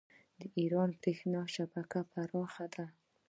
د ایران بریښنا شبکه پراخه ده.